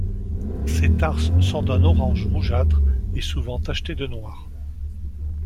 Ses tarses sont d'un orange rougeâtre et souvent tachetés de noir.